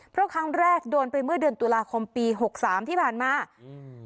เพราะครั้งแรกโดนไปเมื่อเดือนตุลาคมปีหกสามที่ผ่านมาอืม